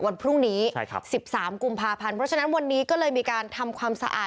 วันพรุ่งนี้๑๓กุมภาพันธ์เพราะฉะนั้นวันนี้ก็เลยมีการทำความสะอาด